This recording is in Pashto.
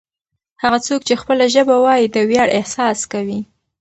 هغه څوک چې خپله ژبه وايي د ویاړ احساس کوي.